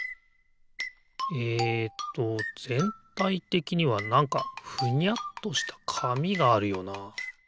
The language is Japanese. えっとぜんたいてきにはなんかふにゃっとしたかみがあるよな。